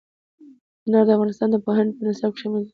انار د افغانستان د پوهنې په نصاب کې شامل دي.